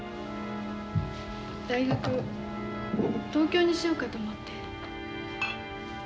大学東京にしようかと思って。